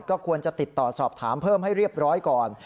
ก็ควรจะติดต่อสอบถามเพิ่มให้เรียบร้อยก่อน